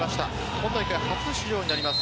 今大会、初出場になります